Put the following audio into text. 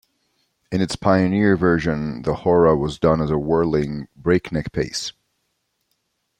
In its pioneer version, the hora was done at a whirling, breakneck pace.